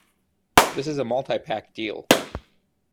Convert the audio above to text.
This is a multi-pack deal.